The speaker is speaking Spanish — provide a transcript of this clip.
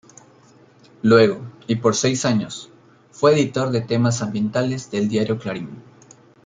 Luego, y por seis años, fue editor de temas ambientales del diario Clarín.